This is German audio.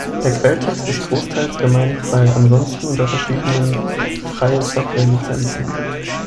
Der Quelltext ist großteils gemeinfrei, ansonsten unter verschiedenen Freie-Software-Lizenzen.